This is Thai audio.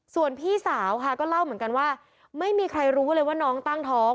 ส่วนพี่สาวค่ะก็เล่าเหมือนกันว่าไม่มีใครรู้เลยว่าน้องตั้งท้อง